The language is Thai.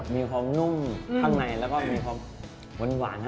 มีความนุ่มทั้งในแล้วก็มีความหวานข้างใน